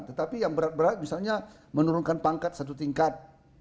tetapi yang berat berat misalnya menurunkan pangkat satu tingkat